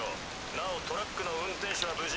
なおトラックの運転手は無事。